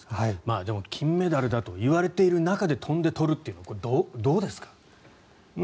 でも金メダルだといわれている中で飛んで取るっていうのはどうですか？